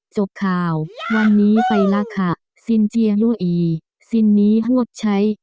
จบข่าววันนี้ไปล่ะค่ะสิ้นเจียร์ยัวอีสิ้นนี้หวัดชัย